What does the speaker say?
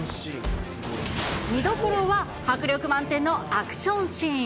見どころは迫力満点のアクションシーン。